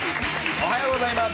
おはようございます。